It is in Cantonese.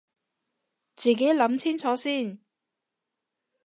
自己諗清楚先